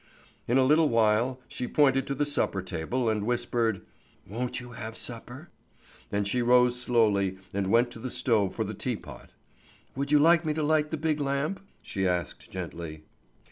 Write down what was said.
In a little while she pointed to the supper table and whispered: "Won't you have supper?" And she rose slowly and went to the stove for the tea pot. "Would you like me to light the big lamp?" she asked gently.